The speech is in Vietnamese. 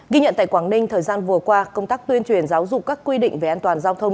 ghi nhận tại quảng ninh thời gian vừa qua công tác tuyên truyền giáo dục các quy định về an toàn giao thông